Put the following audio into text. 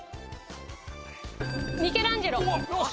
ミケランジェロ！